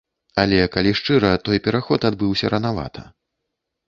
Але, калі шчыра, той пераход адбыўся ранавата.